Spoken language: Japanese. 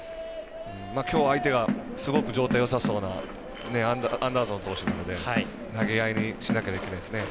きょう、相手がすごい状態よさそうなアンダーソン投手なので投げ合いにしなければいけないですね。